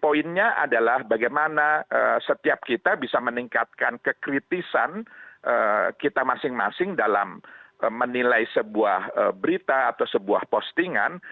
poinnya adalah bagaimana setiap kita bisa meningkatkan kekritisan kita masing masing dalam menilai sebuah berita atau sebuah postingan